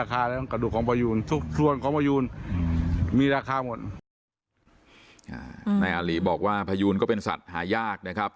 นายอารีบอกว่าพยูนก็เป็นสัตว์หายากนะครับ